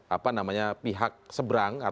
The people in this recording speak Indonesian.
apa namanya pihak seberang